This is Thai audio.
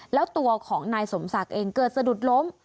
แล้วตัวของนายสมศักดิ์เองเกิดสะดุดล้ม